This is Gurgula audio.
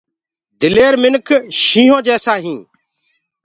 بهآدرآ مِنک شيِنهو ڪي مِسآل هي۔